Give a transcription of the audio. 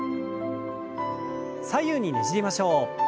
左右にねじりましょう。